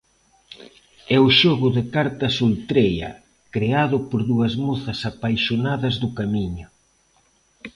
É o xogo de cartas Ultreia, creado por dúas mozas apaixonadas do Camiño.